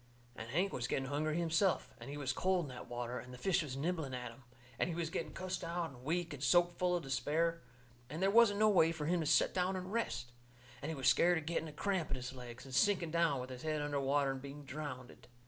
And Hank was getting hungry himself. And he was cold in that water. And the fish was nibbling at him. And he was getting cussed out and weak and soaked full of despair. And they wasn't no way fur him to set down and rest. And he was scared of getting a cramp in his legs, and sinking down with his head under water and being drownded.